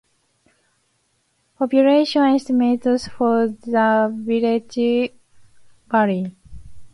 Population estimates for the village vary.